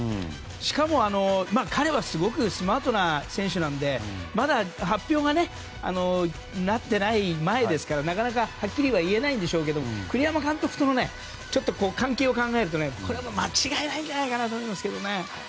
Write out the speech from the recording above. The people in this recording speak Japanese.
しかも、彼はすごくスマートな選手なのでまだ発表がなってない前ですからなかなかはっきりとは言えないんでしょうが栗山監督との関係を考えるとこれは間違いないんじゃないかなと思いますけどね。